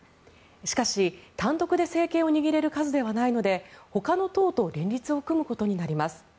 しかし、単独で政権を握れる数ではないのでほかの党と連立を組むことになります。